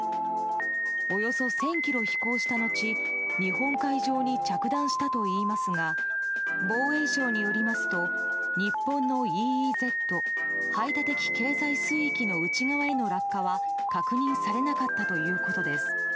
およそ１０００ｋｍ飛行した後日本海上に着弾したといいますが防衛省によりますと日本のＥＥＺ・排他的経済水域の内側への落下は確認されなかったということです。